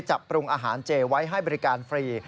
ปรุงอาหารเจไว้ให้บริการฟรี